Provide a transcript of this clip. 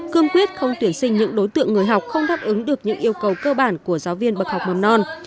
cương quyết không tuyển sinh những đối tượng người học không đáp ứng được những yêu cầu cơ bản của giáo viên bậc học mầm non